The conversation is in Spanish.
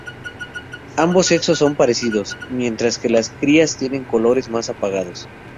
Ambos sexos son parecidos, mientras que las crías tienen colores más apagados.